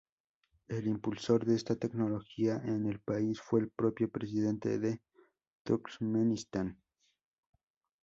El impulsor de esta tecnología en el país fue el propio Presidente de Turkmenistán.